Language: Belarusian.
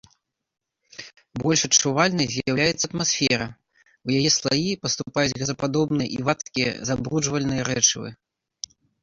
Больш адчувальнай з'яўляецца атмасфера, у яе слаі паступаюць газападобныя і вадкія забруджвальныя рэчывы.